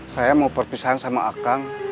saya mau perpisahan sama akang